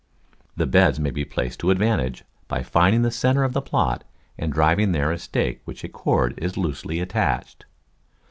The beds may be placed to advantage by finding the centre of the plot and driving there a stake to which a cord is loosely at tached!